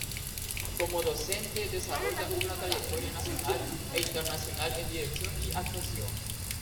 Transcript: Como docente desarrolla una trayectoria nacional e internacional en dirección y actuación.